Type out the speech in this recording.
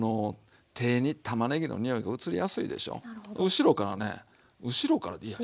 後ろからね後ろからでいいや。